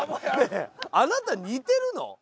あなた似てるの？